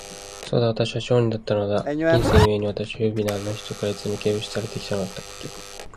そうだ、私は商人だったのだ。金銭ゆえに、私は優美なあの人から、いつも軽蔑されて来たのだっけ。